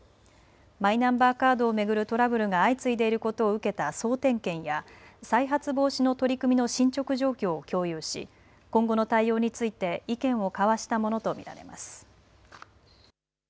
マイナンバーカードを巡るトラブルが相次いでいることを受けた総点検や再発防止の取り組みの進捗状況を共有し今後の対応について意見を交わしたものと見られます。